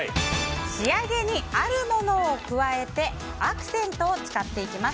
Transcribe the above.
仕上げにあるものを加えてアクセントに使っていきます。